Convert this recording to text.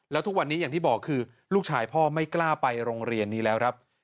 แล้วทุกวันนี้อย่างที่บอกคือลูกชายพ่อไม่กล้าไปโรงเรียนนี้แล้วครับ